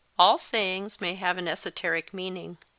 All sayings may have an esoteric meaning.